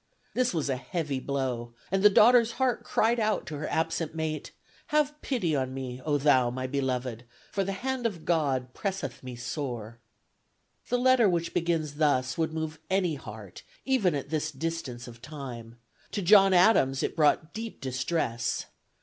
This was a heavy blow, and the daughter's heart cried out to her absent mate. "Have pity on me, O thou my beloved, for the hand of God presseth me sore." The letter which begins thus would move any heart even at this distance of time: to John Adams, it brought deep distress.